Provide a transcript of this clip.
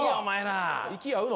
息合うの？